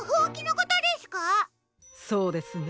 そうですね。